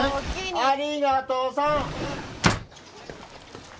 ありがとさん！